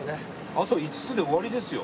あと５つで終わりですよ。